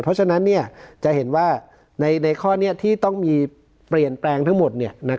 เพราะฉะนั้นจะเห็นว่าในข้อนี้ที่ต้องมีเปลี่ยนแปลงทั้งหมด